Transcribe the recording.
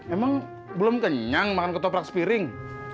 emang belum kenyang makan ketoprak spiring